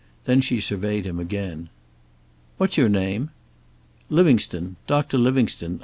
Then she surveyed him again. "What's your name?" "Livingstone. Doctor Livingstone.